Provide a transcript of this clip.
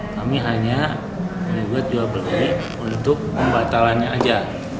kami hanya membuat jual beli untuk pembatalannya saja